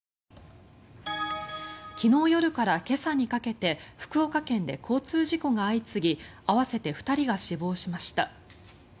昨日夜から今朝にかけて福岡県で交通事故が相次ぎ合わせて２人が死亡しました。